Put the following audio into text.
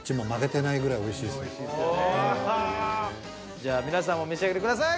じゃあ皆さんもお召し上がりください。